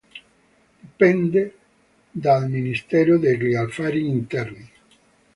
Dipende dal ministero degli affari interni.